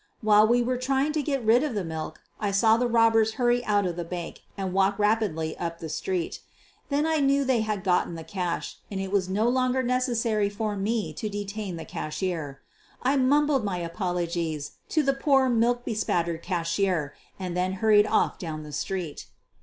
While we were trying to get rid of the milk I saw the robbers hurry out of the bank and walk rapidly up the street. Then I knew they had gotten the cash, and it was no longer neces sary for me to detain the cashier. I mumbled my apologies to the poor, milk bespattered cashier, and then hurried off down the street.